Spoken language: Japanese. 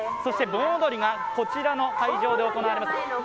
盆踊りがこちらの会場で行われます。